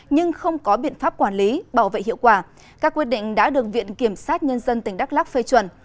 nhưng không có biện pháp quản lý bảo vệ hiệu quả các quyết định đã được viện kiểm sát nhân dân tỉnh đắk lắc phê chuẩn